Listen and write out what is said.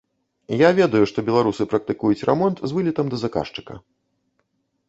Я ведаю, што беларусы практыкуюць рамонт з вылетам да заказчыка.